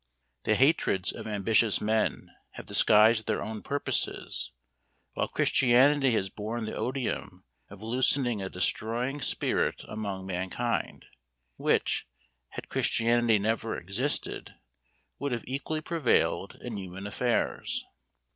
The hatreds of ambitious men have disguised their own purposes, while Christianity has borne the odium of loosening a destroying spirit among mankind; which, had Christianity never existed, would have equally prevailed in human affairs.